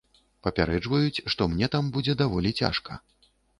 Папярэджваюць, што мне там будзе даволі цяжка.